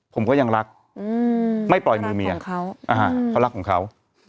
ผมก็ยังรักอืมไม่ปล่อยมือเมียเขารักของเขาอ่าฮะเขารักของเขา